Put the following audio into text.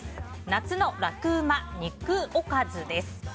夏のラクうま肉おかずです。